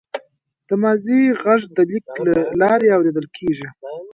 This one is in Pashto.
د ماضي غږ د لیک له لارې اورېدل کېږي.